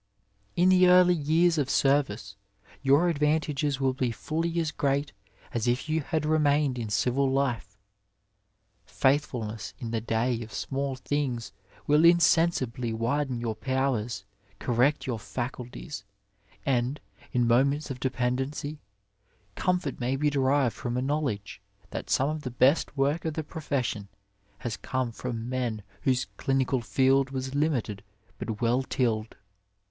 In the early years of service your advantages will be fully as great as if you had remained in civil life. Faith fulness in the day of small things will insensibly widen your powers, correct your faculties, and, in moments of despondency, comfort may be derived from a knowledge that some of the best work of the profession has come from men whose clinical field was limited but well tilled.